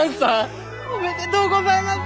おめでとうございます！